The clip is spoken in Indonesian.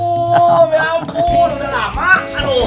ya ampun udah lama bro